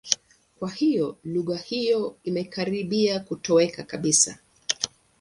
Kwa hiyo lugha hiyo imekaribia kutoweka kabisa.